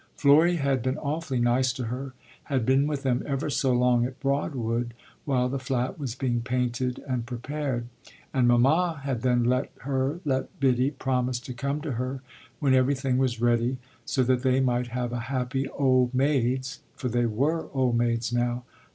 Florry had been awfully nice to her had been with them ever so long at Broadwood while the flat was being painted and prepared and mamma had then let her, let Biddy, promise to come to her, when everything was ready, so that they might have a happy old maids' (for they were, old maids now!)